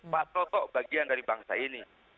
pak toto bagian dari bangsa ini